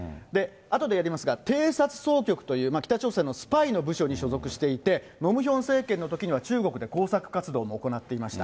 あとでやりますが、偵察総局という北朝鮮のスパイの部署に所属していて、ノ・ムヒョン政権のときには、中国で工作活動も行っていました。